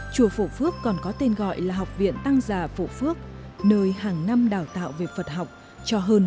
chùa phổ phước còn có tên gọi là học viện tăng già phổ phước nơi hàng năm đào tạo về phật học cho hơn một trăm linh tăng sĩ